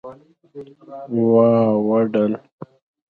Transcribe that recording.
واوډل